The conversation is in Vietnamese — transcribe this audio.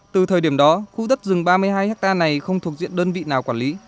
từ thời điểm đó khu đất rừng ba mươi hai hectare này không thuộc diện đơn vị nào quản lý